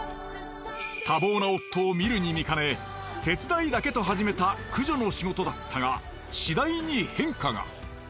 多忙な夫を見るに見かね手伝いだけと始めた駆除の仕事だったがしだいに変化が。